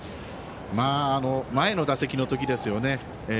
前の打席のときですよね